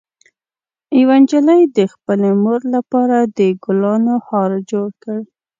یوه نجلۍ د خپلې مور لپاره د ګلانو هار جوړ کړ.